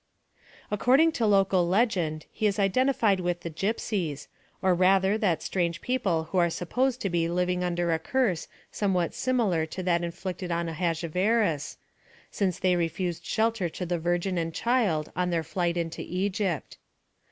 According to local legend, he is identified with the Gypsies, or rather that strange people are supposed to be living under a curse somewhat similar to that inflicted on Ahasverus, because they refused shelter to the Virgin and Child on their flight into Egypt.